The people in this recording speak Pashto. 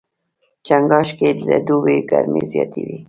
چنګاښ کې د دوبي ګرمۍ زیاتې وي.